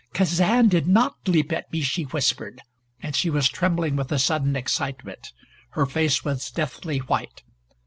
"Kazan did not leap at me," she whispered, and she was trembling with a sudden excitement. Her face was deathly white.